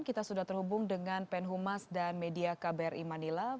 kita sudah terhubung dengan penhumas dan media kbri manila